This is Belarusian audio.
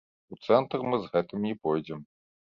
У цэнтр мы з гэтым не пойдзем.